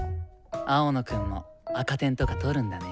青野くんも赤点とか取るんだね。